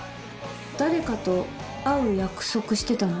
誰かと会う約束してたの？